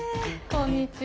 こんにちは。